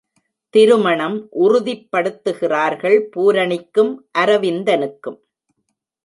திருமணம் உறுதிப்படுத்துகிறார்கள் பூரணிக்கும் அரவிந்தனுக்கும்.